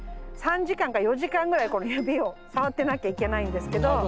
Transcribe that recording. ３時間か４時間ぐらいこの指を触ってなきゃいけないんですけど。